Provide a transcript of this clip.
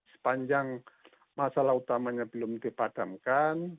sepanjang masalah utamanya belum dipadamkan